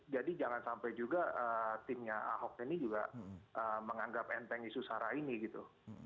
jadi jangan sampai juga timnya ahok ini juga menganggap enteng isu saranya gitu